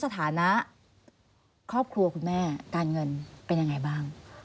สถานะครอบครัวคุณแม่การเงินเป็นยังไงบ้าง